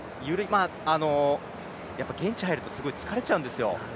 現地に入ると、すごい疲れちゃうんですよ。